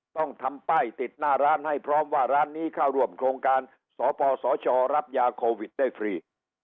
ต้องทำป้ายติดหน้าร้านให้พร้อมว่าร้านนี้เข้าร่วมโครงการสปสชรับยาโควิดได้ฟรี